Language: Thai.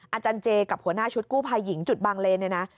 อาจารย์เจกับหัวหน้าชุดกู้ภัยหญิงจุดบางเลนเนี่ยนะ